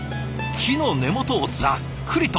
木の根元をざっくりと。